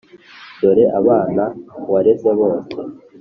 dore aba bana wareze bose